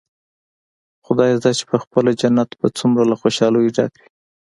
خدايزده چې پخپله جنت به څومره له خوشاليو ډک وي.